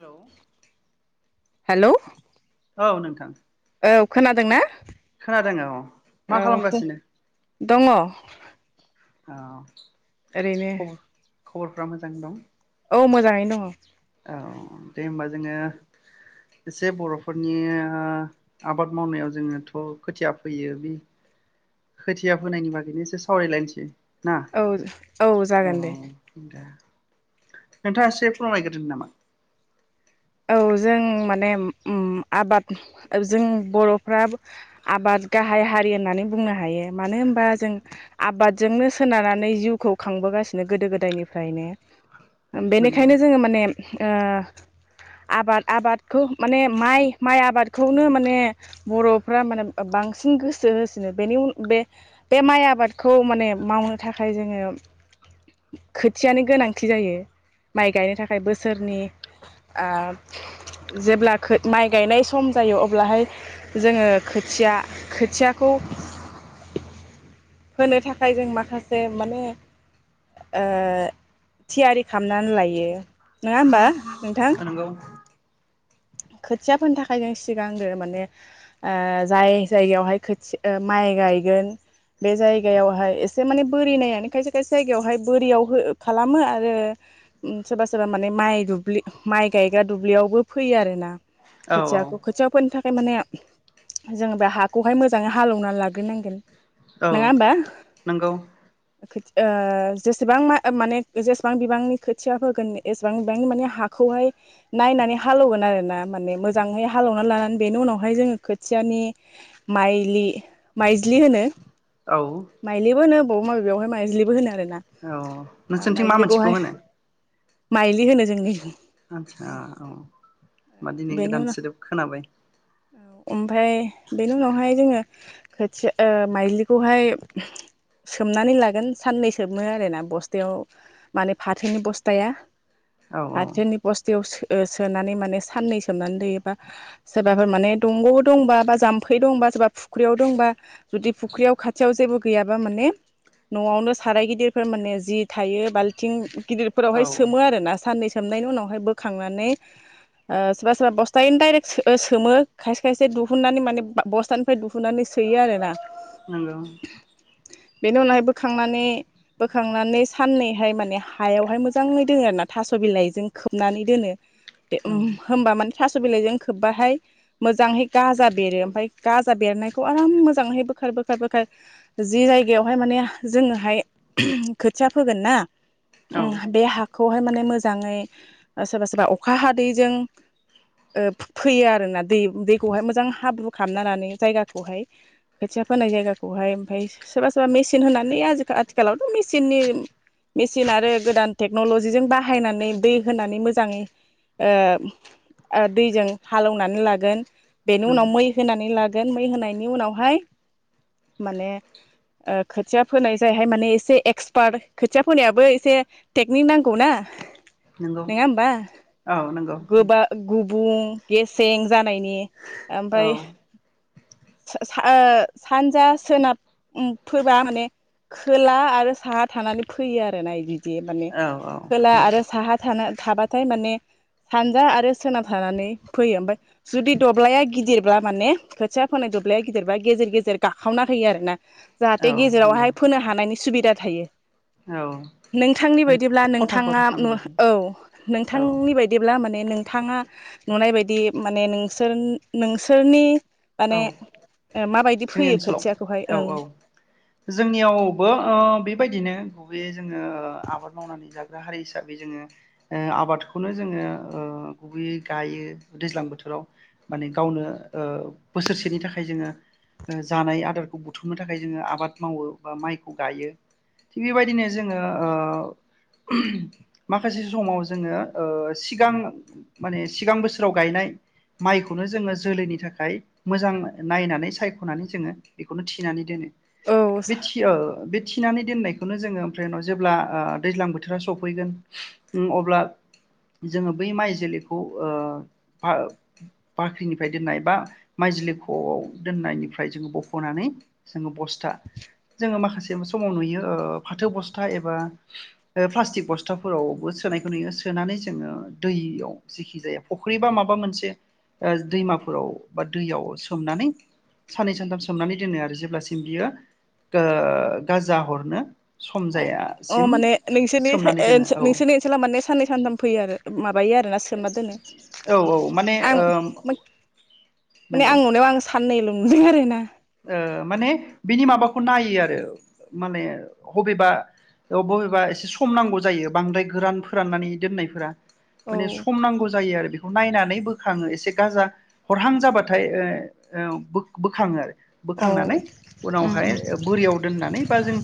Hello hello औ नोंथां। थां। औ खोनादोंना? खोनादों औ मा औ खालामगासिनो? दङ औ ओरैनो। खबरफ्रा मोजाङै दं। औ मोजाङैनो दङो। औ दे होनोमबा जोङो एसे बर' फोरनि ओ आबाद मावनायाव जोङोथ' खोथिया फैयो बि खोथिया फोनायनि बागैनो एसे सावरायलायनोसै। ना औ औ जागोन दे। दे नोंथाङा एसे फोरमायग्रोदो नामा। औ जों माने अम आबाद जों बर' फ्राबो आबाद गाहाय हारि होननानै बुंनो हायो मानो होनबा जों आबादजोंनो सोनारनानै जिउखौ खांबोगासिनो गोदो गोदायनिफ्रायनो। ओम नंगौ बेनिखायनो जोङो माने ओ आबाद आबादखौ माने माइ माइ आबादखौनो माने बर' फ्रा मानो ओ बांसिन गोसो होसिनो बेनि उन बे बे माइ आबादखौ माने मावनो थाखाय जोङो खोथियनि गोनांथि जायो माइ गायनो थाखाय बोसोरनि आ जेब्ला खो माइ गायनाय सम जायो अब्लाहाय जोङो खोथिया खोथियाखौ फोनो थाखाय जों माखासे माने ओ थियारि खामनानै लायो नङा होमबा। ओ नोंगौ। खोथिया फोनो थाखाय जों सिगांदो माने ओ जाय जायगायावहाय खोथि ओ माइ गायगोन बे जायगायावहाय एसे माने बोरि नायानो खायसे खायसे जायगायावहाय बोरियाव हो खालामो आरो उम सोरबा सोरबा माने माइ दुब्लि माइ गायग्रा दुब्लियावबो फ फैयो आरोना। औ औ खोथियाखौ खोथियाव फोनो था माने जोङो बे हाखौहाय मोजाङै हालेवनानै लाग्रोनांगोन नङा होमबा। नोंगौ। ओ खोथि ओ जेसेबां मा ओ माने जेसेबां बिबांनि खोथिया फोगोन एसेबां बिबांनि माने हाखौहाय नायनानै हालेवगोन आरो ना माने मोजांहै हालेवनानै लानानै बेनि उनावहाय जोङो खोथियानि माइलि माइज्लि होनो। औ माइलिबो होनो। [unintelligible] माबे बेयावहाय माइाज्लिबो होनो आरो ना। औ ओ नोंसोरनिथिं मा मोनसेखौ माइज्लिखौहाय होनो माइलि होनो। जोंनि आतसा। बेनि उनाव खोनाबाय औ अमफाय बेनि उनावहाय जोङो खोथियो ओ माइलिखौहाय सोमनानै लागोन साननै सोमो आरो ना बस्थायाव माने फाथोनि बस्थाया औ औ फाथोनि बस्थायाव सो [unintelligible] सोनानै माने साननै सोमनानै दयोबा सोरबाफोर माने दंग दंबा बा जाम्फै दंबा सोरबा फुख्रियाव दंबा जुदि फुख्रियाव खाथियाव जेबो गैयाबा माने न'आवनो साराय गिदिरफोर माने जि थायो बाल्थिं गिदिरफोरावहाय औ सोमो आरो ना साननैस सोमनायनि उनावहाय बोखांनानै। ओ सोरबा सोरबा बस्थायैनो दाइरेक सो ओ सोमो खायसे खायसे दुहुननानै माने बा बस्थानिफ्राय दुहुननानै सोयो आरो ना। नोंगौ। बेनि उनावहाय बोखांनानै बोखांनानै साननैहाय माने हायावहाय मोजाङै दोनङो आरो ना थास' बिलाइजों खोबनानै दोनो। दे औ होम होमबा माने थास' बिलाइजों खोबबाहाय मोजाङहै गाजा बेरो ओमफाय गाजा बेरनायखौ आराम मोजाङहै बोखार बोखार बोखार जि जायगायावहाय माने जोङोहाय खोथिया फोगोन ना औ उम बे हाखौ खौहाय माने मोजाङै ओ सोरबा सोरबा अखा हादैजों ओ फो फोयो आरोना दै दैखौहाय मोजां हाब्रु खालामनालानानै जायगाखौहाय खोथिया फोनाय जायगाखौहाय ओमफफ्राय सोरबा सोरबा मेसिन होनानै आथिखालावथ' मेसिननि मेसििन आरो गोदान टेक्न'लजिजों बाहायनानै दै होनानै मोजाङै ओ दैजों हालेवनानै लागोन बेनि उनाव नंगौ मै होनानै लागोन गोन मै होनायनि उनावहाय माने ओ खोथिया फोनाय जायहाय माने एसे एक्सपार्ट खोथिया फोनायाबो एसे टेकनिक नांगौ ना नंगौ नोङा होमबा औ नंगौ बुं गेसें जानायनि औ ओमफ्राय सा सा ओ सानजा सोनाब फोबा माने खोला आरो साहा थानानै फैयो आरोना इदि बे माने औ औ खोला नंगौ आरो साहा थाना थाबाथाय माने सानजा आरो सोनाब थानानै फैयो ओमफाय जुदि दब्लाया गिदिरब्ला माने खोथिया फोनाय दब्लाया गिदिरबा गेजेर गेजेर गाखावना होयो आरो ना औ जाहाथे नंगौ गेजेरावहाय फोनो हानायनि सुबिदा थायो। औ नोंथांनि माने बायदिब्ला खथा नोंथाङा खथा खालामो आरो औ औ नोंथांनि जेब्ला माने नोंथाङा नुनाय बायदि माने नोंसोर नोंसोरनि औ माने ओ माबायदि जोंनि फोयो खोथियाखौहाय ओनसोलाव ओं औ औ जोंनियावबो ओ बेबायदिनो गुबैयै जोङो ओ आबाद मावनानै जाग्रा हारि हिसाबै जोङो ओ आबादखौनो जोङो ओ गुबैयै गायो दैज्लां बोथोराव माने गावनो ओ बोसोरसेनि थाखाय जोङो ओ जानाय आदारखौ बुथुमनो थाखाय जोङो आबाद मावो बा माइखौ गायो थिग बेबायदिनो जोङो ओ माखासे समाव जोङो ओ सिगां माने सिगां बोसोराव गायनाय माइखौनो जोङो जोलैनि थाखाय मोजां नायनानै सायखनानै जोंङो बेखौनो थिनानै दोनो। औ बेथियो बे थिनानै दोननायखौनो जोंङो ओमफ्राय उनाव जेब्ला ओ दैज्लां बोथोरा सफैगोन अब्ला जोङो बै माइज्लिखौ ओ बा बाख्रिनिफ्राय दोननाय बा माइज्लिखआव दोननायनिफ्राय जोंङो बखनानै जोंङो बस्था जोंङो माखासे समाव नुयो फाथो बस्था एबा प्लास्टिक बस्थाफोरावबो सोनायखौ नुयो सोनानै जोङो दैयाव जेखि जाया फुख्रि बा माबा मोनसे ओ दैमाफोराव बा दैयाव सोमनानै साननै सानथाम सोमनानै दोनो आरो जेब्लासिम बियो ओ गाजा हरनो सम अ अ जायासिम माने नोंसोरनि सोमनानै ओ दोनो औ नोंसोरनि ओनसोलााव माने साननै सानथाम फैयो आरो माबायो आरोना सोमना दोनो औ औ माने आं ओ माने नंगौ आं नुनायाव आं साननैल [unintelligible] ओ माने बिनि माबाखौ नायो आरो माने बबेबा बबेबा एसे सम नांगौ जायो बांद्राय गोरान फोराननानै दोननायफोरा औ माने सम नांगौ जायो आरो। बेखौ नायनानै बोखाङो एसे गाजा हरहां जाबाथाय ओ बोखाङो आरो। औ बोखांनानै उनावहाय बोरियाव दोननानै बा जों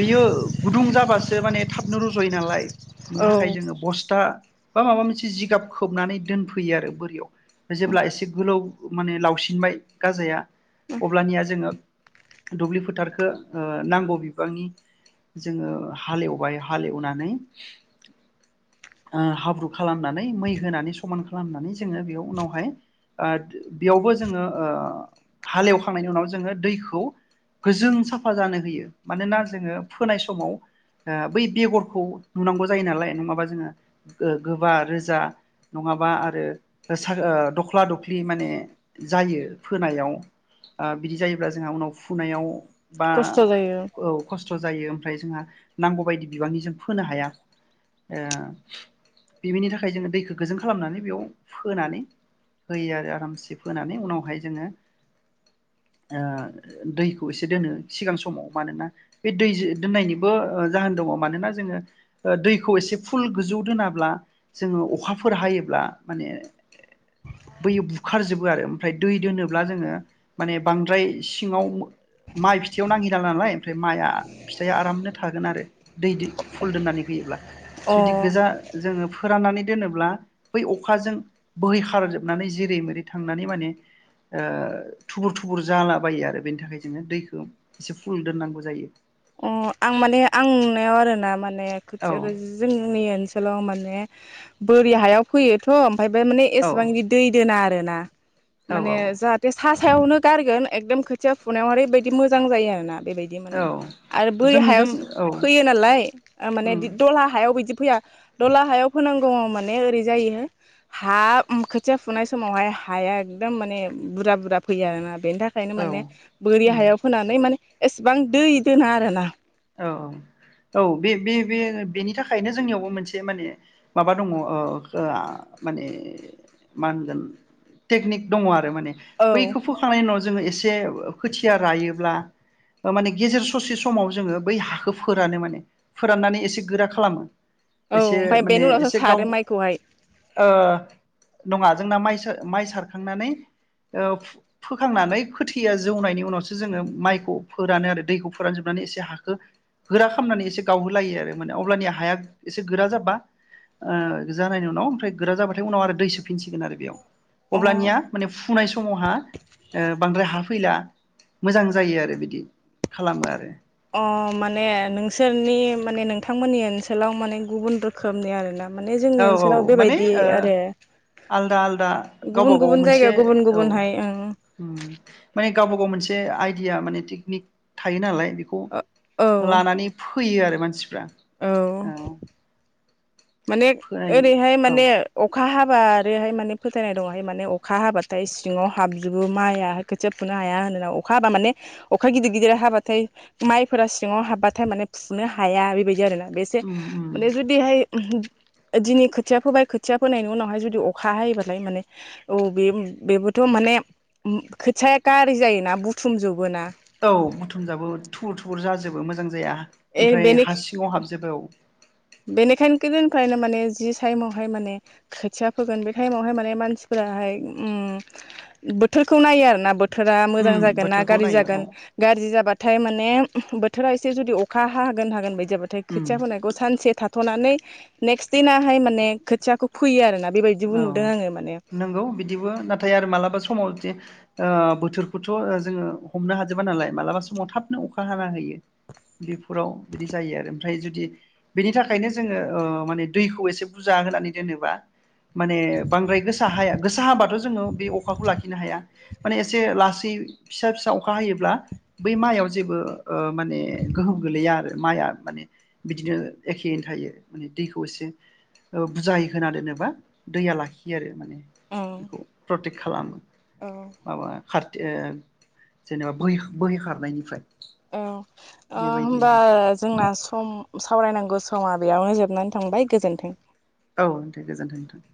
बेयो गुदुं जा। होमबासो माने थाबनो रुज'यो नालाय। बिनि थाखाय औ जोङो बस्था। बा माबा मोनसे जिगाब खोबनानै दोनफैयो आरो बोरियाव जेब्ला एसे गोलाव माने लावसिनबाय गाजाया। अब्लानिया जोङो दुब्लि फोथारखौ नांगौ बिबांनि जोङो हालेवबाय हालेवनानै हाब्रु खालामनानै मै होनानै समान खालामनानै जोङो बेयाव उनावहाय बेयावबो जोङो। हालेवखांनायनि उनाव जोङो दैखौ गोजों साफा जानो होयो मानोना जोङो फोनाय समाव बै बेगरखौ नुनांगौ जायो नालाय नङाबा जोङो गोबा रोजा नङाबा आरो दख्ला दख्लि माने जायो फोनायाव। बिदि जायोब्ला जोंहा उनाव फुनायाव। बा खस्थ' जायो औ खस्थ' जायो। ओमफ्राय जोंहा नांगौ बायदि बिबांनि जों फोनो हाया बेनि थाखाय जोङो दैखौ गोजों खालामनानै बेयाव फोनानै होयो आरो आरामसे फोनानै उनावहाय जोङो। दैखौ एसे दोनो सिगां समाव मानोना बे दै दोननायनिबो जाहोन दङ मानोना जोङो दैखौ एसे फुल गोजौ दोनाब्ला जोङो अखाफोर हायोब्ला माने बैयो बुखारजोबो आरो ओमफ्राय दै दोनोब्ला जोङो। माने बांद्राय सिङाव माइ फिथायाइयाव नांहरला नालाय ओमफ्राय माइआ फिथाइया आरामनो थागोन आरो दै फुल दोननानै होयोब्ला। अ जुदि गोजा जोङो। फोराननानै दोनोब्ला बै अखाजों बोहै खारजोबनानै जिरै मेरै थांनानै माने। थुबुर थुबुर जालाबायो आरो बेनि थाखाय जोङो दैखौ एसे फुल दोननांगौ जायो। अ आं माने आं नुनायाव आरो ना माने। औ खोथि जोंनि ओनसोलाव। माने बोरि हायाव फैयोथ'। ओमफ्राय माने औ एसेबां बिदि दै दोना आरो। दोना। माने औ जाहाथे सा। सायावनो गारगोन एकदम खोथिया फुनायाव ओरैबायदि मोजां जायो आरोना। बेबायदि औ माने। आरो बोरि जोंनिजों हायावसो औ फैयो नालाय माने उम बिदि दलहा हायाव बिदि। फैया दला हायाव फोनांगौ माने ओरै जायो हा खोथिया फुनाय समावहाय हाया एकदम माने बुरजा बुरजा फैयो आरोना। बेनि थाखायनो औ माने बोरि उम हायाव फोनानै माने। एसेबां दै। दा आरोना। औ औ औ बे बे बेनि थाखायनो जोंनियावबो मोनसे माने माबा दङ माने मा होनगोन टेकनिक दङ आरो। माने औ बैखौ फोखांनायनि उनाव। जोंओ एसे खोथिया रायोब्ला गेजेर ससे समाव जोंओ। बै हाखौ फोरानो माने फोराननानै एसे गोरा खालामो। औ एसे ओमफ्राय माने बेनि उनावसो एसे गाव। सारो माइखौहाय नङा जोंना माइ माइ सारखांनानै फोखांनानै खोथिया जौनायनि उनावसो जोङो माइखौ फोरानो आरो दैखौ फोरानजोबनानै एसे हाखौ। गोरा खालामनानै एसे गावहोलायो आरो माने अब्लानि हाया एसे गोरा जाबा जानायनि उनाव ओमफ्राय गोरा जाबाथाय उनाव आरो दै सोफिनसिगोन आरो बेयाव। अ अब्लानिया माने फुनाय समावहा बांद्राय हा फैला मोजां। जायो आरो बिदि खालामो आरो। अ माने नोंसोरनि माने नोंथांमोननि ओनसोलाव माने गुबुन रोखोमनि आरोना। माने औ जोंनि औ ओनसोलाव माने बेबायदि ओ आरो आलदा आलदा गुबुन गावबा गाव गुबुन मोनसे जायगायाव गुबुन औ गुबुनहाय ओं उम माने गावबागाव मोनसे आइडिया माने टेकनिक थायो नालाय बेखौ औ लानानै फोयो आरो मानसि औ माने फोनायनि ओरैहाय औ माने अखा हाबा आरोहाय माने फोथायनाय दंहाय माने अखा हाबाथाय सिङाव हाबजोबो माइआाय खोथिया फुनो हाया होनोना अखा हाबा माने अखा गिदिर गिदिर हाबाथाय माइफोरा सिङाव हाबबाथाय माने फुनो हाया बेबायदि आरो ना बेसे उम उम माने जुदिहाय दिनै खोथिया फोबाय खोथिया फोनायनि उनावहाय जुदि अखा हायोबालाय माने औ बे बेबोथ' माने खोथियाया गारि जायोना बुथुमजोबोना औ बुथुमजाबो थुबुर थुबुर जाजोबो मोजां जाया ओमफ्राय बेनि हा सिङाव हाबजबो बेनिखायनो गोदोनिफ्रायनो माने जि ताइमावहाय माने खोथिया फोगोन बे टाइमावहाय माने मानसिफोराहाय ओ बोथोरखौ नायो आरोना बोत थोरा उम मोजां जागोनना बोथोरखौ गाज्रि नायो जागोन औ गाज्रि जाबा नाथाय माने बोथोरा एसे जुदि अखा हागोन हागोन बायदि जाबाथाय उम खोथिया फोनायखौ सानसे थाथ'नानै नेक्स् दिनाहाय माने खोथियाखौ फैयो आरो ना औ नंगौ बिदिबो नाथाय आरो मालाबा समाव जे ओ बोथोरखौथ' जोङो हमनो हाजोबा नालाय मालाबा समाव थाबनो अखा हाना होयो बेफोराव बिदि जायो आरो ओमफ्राय जुदि बेनि थाखायनो जोङो ओ माने दैखौ एसे बुरजा होनानै दोनोबा माने बांद्राय गोसा हाया गोसा हाबाथ' जोङो बे अखाखौ लाखिनो हाया माने एसे लासै फिसा फिसा अखा हायोब्ला बै माइयाव जेबो ओ माने गोहोम गोलैया आरो माइआ माने बिदिनो एखेयैनो थायो माने दैखौ एसे बुजाय होना दोनोबा दैया लाखियो आरो माने उम बिखौ प्रतेक खालामो औ माबा खारथि जेनेबा बोहै बोहै खारनायनिफ्राय औ ओ होमबा जोंना सम सावरायनांगौ समा बेयावनो जोबनानै थांबाय गोजोन्थों औ नोंथां गोजोन्थों नोंथां